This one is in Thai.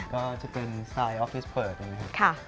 ก็จะเป็นสไตล์ออฟฟิศเปิดอย่างนี้ครับ